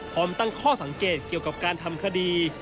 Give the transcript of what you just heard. พร้อมตั้งข้อสังเกตเกี่ยวกับการทำคดี